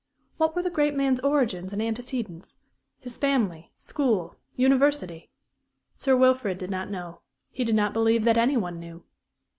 What were the great man's origins and antecedents his family, school, university? Sir Wilfrid did not know; he did not believe that any one knew.